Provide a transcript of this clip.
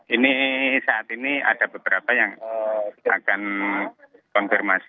ini saat ini ada beberapa yang akan konfirmasi